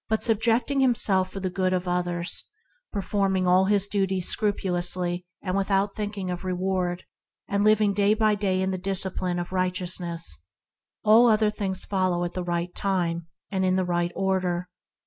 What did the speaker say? Subjecting himself for the good of others, performing all his duties scrupu lously and without thinking of reward, and COMPETITIVE LAW AND LAW OF LOVE 39 living day by day in the discipline of right eousness, all other things follow at the right time and in the right order.